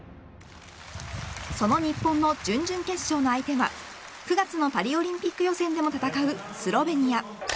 その日本の準々決勝の相手は９月のパリオリンピック予選でも戦うスロベニア。